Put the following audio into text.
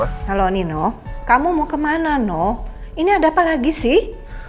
halo nino kamu mau kemana no ini ada apa lagi sih